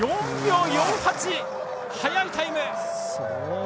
４秒４８早いタイム！